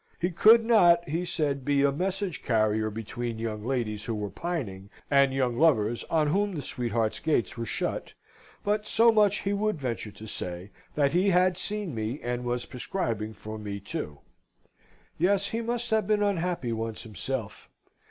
"He could not," he said, "be a message carrier between young ladies who were pining and young lovers on whom the sweethearts' gates were shut: but so much he would venture to say, that he had seen me, and was prescribing for me, too." Yes, he must have been unhappy once, himself.